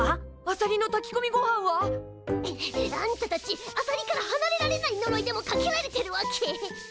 あさりのたきこみごはんは？あんたたちあさりからはなれられないのろいでもかけられてるわけ？